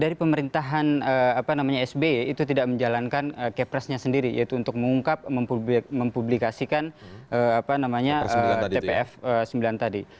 dari pemerintahan sby itu tidak menjalankan kepresnya sendiri yaitu untuk mengungkap mempublikasikan tpf sembilan tadi